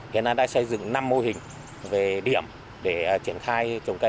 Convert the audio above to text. khiến anh đã xây dựng năm mô hình về điểm để triển khai trồng cây